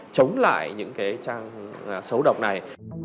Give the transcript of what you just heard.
chống lại những cái trang sở hữu